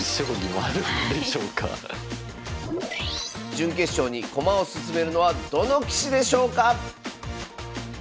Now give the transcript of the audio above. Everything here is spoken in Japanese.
準決勝に駒を進めるのはどの棋士でしょうか！